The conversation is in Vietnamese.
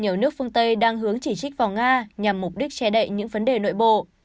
nhiều nước phương tây đang hướng chỉ trích vào nga nhằm mục đích che đậy những vấn đề nội bộ